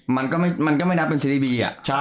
มันก็ไม่ได้เป็นฟีเรบี